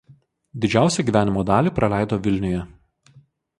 Didžiausią gyvenimo dalį praleido Vilniuje.